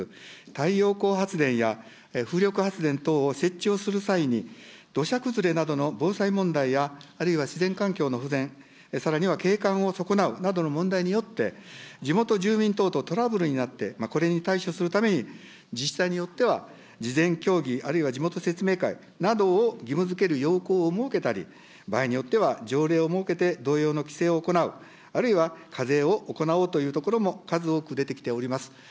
太陽光発電や風力発電等を設置をする際に、土砂崩れなどの防災問題や、あるいは自然環境の保全、さらには景観を損なうなどの問題によって、地元住民等とトラブルになって、これに対処するために、自治体によっては、事前協議、あるいは地元説明会、などを義務づける要綱を設けたり、場合によっては条例を設けて同様の規制を行う、あるいは課税を行おうというところも数多く出てきております。